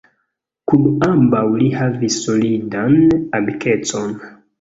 Kun ambaŭ li havis solidan amikecon.